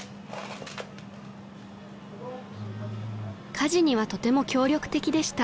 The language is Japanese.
［家事にはとても協力的でした］